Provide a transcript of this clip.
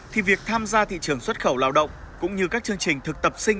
thì việc tham gia thị trường xuất khẩu lao động cũng như các chương trình thực tập sinh